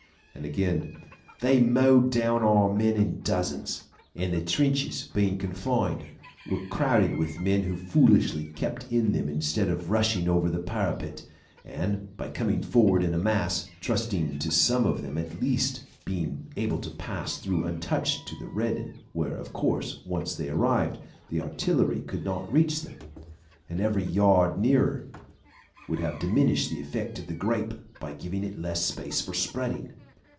And again: "They mowed down our men in dozens, and the trenches, being confined, were crowded with men who foolishly kept in them instead of rushing over the parapet, and, by coming forward in a mass, trusting to some of them at least being able to pass through untouched to the Redan, where, of course, once they arrived, the artillery could not reach them, and every yard nearer would have diminished the effect of the grape by giving it less space for spreading.